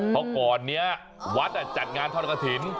เพราะก่อนนี้หวัดจัดงานท่อนขถิร